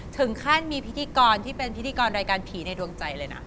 ถึงขั้นมีพิธีกรที่เป็นพิธีกรรายการผีในดวงใจเลยนะ